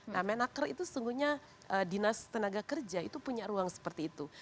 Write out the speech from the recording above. nah menaker itu sesungguhnya dinas tenaga kerja itu punya ruang seperti itu